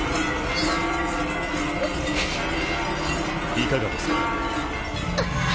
いかがですかな？